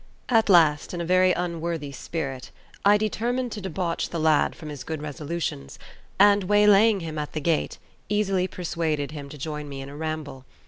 At last, in a very unworthy spirit, I determined to debauch the lad from his good resolutions, and, way laying him at the gate, easily pursuaded him to join me in a ramble.